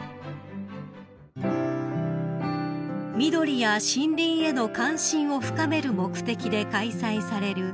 ［緑や森林への関心を深める目的で開催される